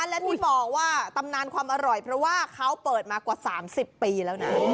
และที่บอกว่าตำนานความอร่อยเพราะว่าเขาเปิดมากว่า๓๐ปีแล้วนะ